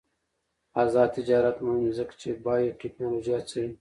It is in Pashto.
آزاد تجارت مهم دی ځکه چې بایوټیکنالوژي هڅوي.